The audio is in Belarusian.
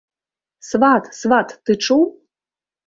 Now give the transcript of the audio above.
Сват, сват, ты чуў?